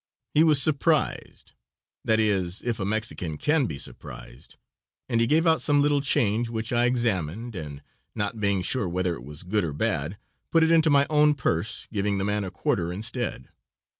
He was surprised, that is if a Mexican can be surprised, and he gave out some little change, which I examined, and not being sure whether it was good or bad, put it into my own purse, giving the man a quarter instead.